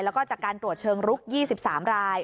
แล้วก็จากการตรวจเชิงลุก๒๓ราย